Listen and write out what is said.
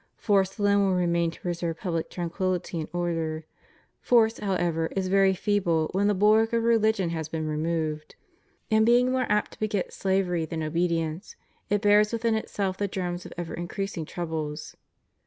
Force alone will remain to preserve public tranquillity and order; force, however, is very feeble when the bulwark of religion has been removed; and being 182 CHIEF DUTIES OF CHRISTIANS AS CITIZENS. more apt to beget slavery than obedience, it bears within itself the germs of ever increasing troubles.